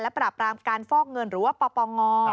และประปรากฏการฟอกเงินหรือว่าปน